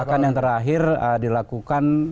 bahkan yang terakhir dilakukan